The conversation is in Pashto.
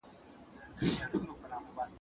د نجلۍ راتلونکي پلانونه باید پټ نه سي.